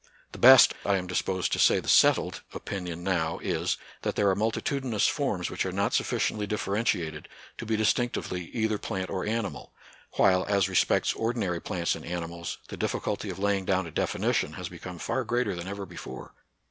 The best, I am disposed to say the settled, opinion now is, that there are multitudinous forms which are not suffi ciently differentiated to be distinctively either plant or animal, while, as respects ordinary plants and animals, the difficulty of laying down a definition has become far greater than ever before.